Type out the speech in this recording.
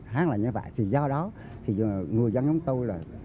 hán là như vậy do đó người dân giống tôi là